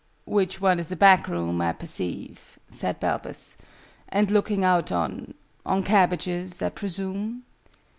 "Which one is a back room, I perceive," said Balbus: "and looking out on on cabbages, I presume?"